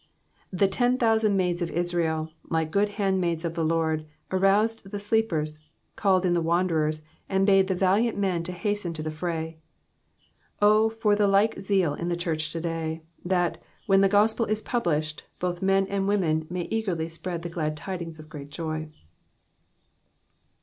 The ten thousand maids of Israel, like sood handmaids of the Lord, aroused the sleepers, called in the wanderers, and bade the valiant men hasten to the fray. O for the like zeal in the church of to day, that, when the gospel is published, both men and women may eagerly spread the glad tidings of great joy.